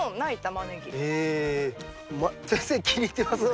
先生気に入ってますね。